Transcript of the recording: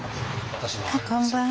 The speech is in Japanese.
こんばんは。